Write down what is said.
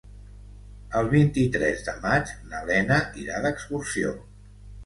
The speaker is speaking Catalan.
El vint-i-tres de maig na Lena irà d'excursió.